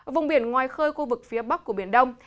vùng biển ngoài khơi khu vực phía bắc của biển đông